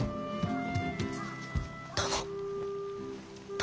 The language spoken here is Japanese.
殿。